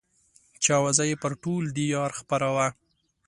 چې اوازه يې پر ټول ديار خپره وه.